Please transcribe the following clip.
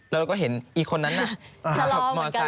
เราก็เห็นอีกคนนั้นน่ะ